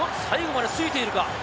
最後までついているか。